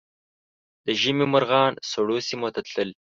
د ژمي مرغان سړو سیمو ته تلل